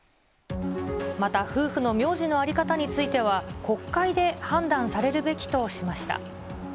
また夫婦の名字の在り方については、国会で判断されるべきとしました。